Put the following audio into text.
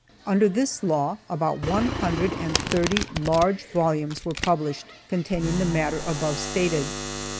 Under this law, about one hundred and thirty large volumes were published, containing the matter above stated.